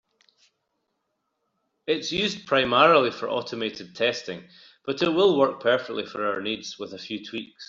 It is used primarily for automated testing, but it will work perfectly for our needs, with a few tweaks.